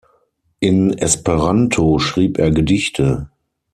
In Esperanto schrieb er Gedichte.